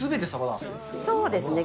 そうですね。